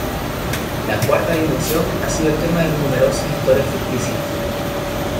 La cuarta dimensión ha sido el tema de numerosas historias ficticias.